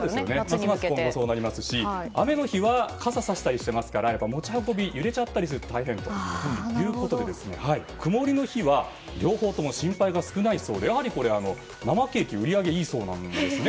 ますます今後そうなりますし雨の日は傘をさしたりしていますから持ち運びが大変ということで曇りの日は両方とも心配が少ないそうでやはりこれ、生ケーキ売り上げがいいそうなんですね